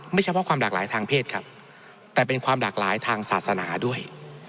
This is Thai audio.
เฉพาะความหลากหลายทางเพศครับแต่เป็นความหลากหลายทางศาสนาด้วย